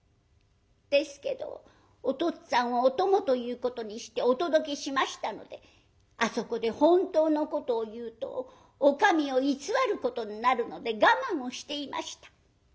ですけどおとっつぁんをお供ということにしてお届けしましたのであそこで本当のことを言うとお上を偽ることになるので我慢をしていました。